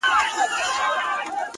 اوس هيڅ خبري مه كوی يارانو ليـونيانـو;